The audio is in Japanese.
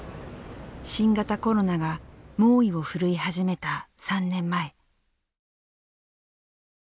新型コロナが猛威をふるい始めた３年前。